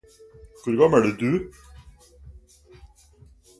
Hvor gammel er du?